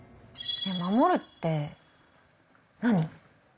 守るって何？